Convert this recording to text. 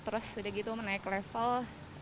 terus sudah gitu menaik level